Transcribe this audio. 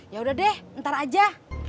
yaudah deh ntar aja